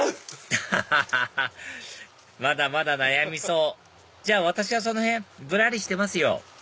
アハハハハまだまだ悩みそうじゃあ私はその辺ぶらりしてますよ